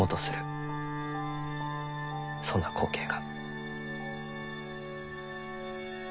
そんな光景が。